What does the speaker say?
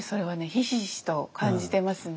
ひしひしと感じてますね。